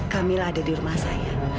kamilah ada di rumah saya